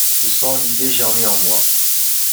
je sens une idée germer en moi.